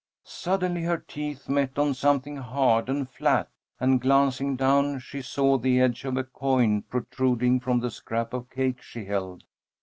Suddenly her teeth met on something hard and flat, and glancing down, she saw the edge of a coin protruding from the scrap of cake she held.